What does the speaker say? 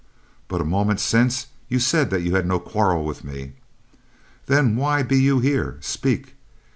But a moment since, you said that you had no quarrel with me. Then why be you here? Speak!